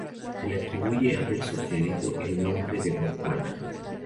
Se le atribuye haber sugerido el nombre de Gondwana.